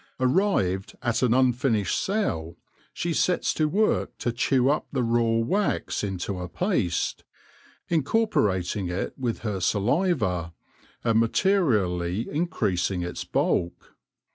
Arrived at an unfinished cell, she sets to work to chew up the raw wax into a paste, incorporating it with her saliva, and materially in creasing its bulk.